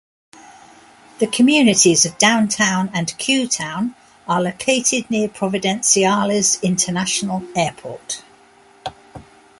The communities of Downtown and Kew Town are located near Providenciales International Airport.